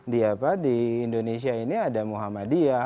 di indonesia ini ada muhammadiyah